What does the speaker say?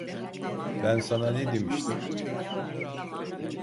Ben sana ne demiştim?